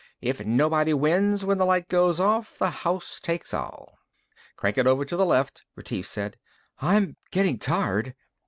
"If nobody wins when the light goes off, the house takes all." "Crank it over to the left," Retief said. "I'm getting tired."